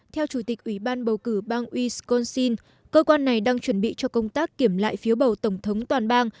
theo chủ tịch ủy ban bầu cử bang ui sconsin cơ quan này đang chuẩn bị cho công tác kiểm lại phiếu bầu tổng thống toàn bang